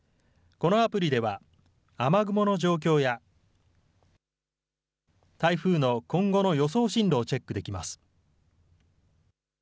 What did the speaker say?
このアプリでは、雨雲の状況や、台風の今後の予想進路をチェックできます。